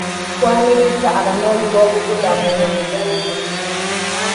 Twaniriza abanoonyi b'obubuddamu mu Uganda.